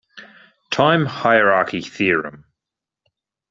Time Hierarchy Theorem.